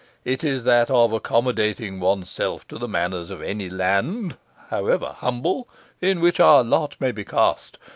It is that of accommodating one's self to the manners of any land (however humble) in which our lot may be cast.